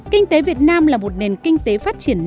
kinh tế việt nam là một nền kinh tế phát triển năng lực